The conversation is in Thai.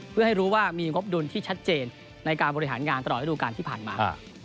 เพื่อให้รู้ว่ามีงบดุลที่ชัดเจนในการบริหารงานตลอดระดูการที่ผ่านมา